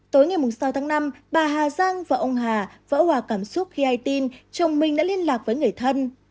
tối ngày sáu tháng năm bà hà giang và ông hà vỡ hòa cảm xúc khi ai tin chồng mình đã liên lạc với người thân